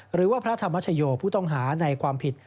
หรือว่าพระธรรมชโยผู้ต้องหาในความผิด